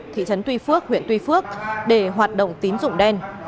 thị trấn tuy phước huyện tuy phước để hoạt động tín dụng đen